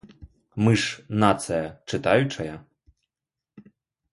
Мы ж нацыя чытаючая?